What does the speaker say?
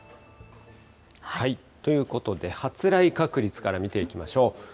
ということで、発雷確率から見ていきましょう。